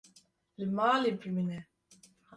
Li malê bimîne.